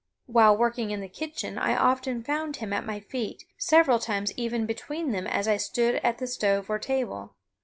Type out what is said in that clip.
While working in the kitchen I often found him at my feet, several times even between them as I stood at the stove or table.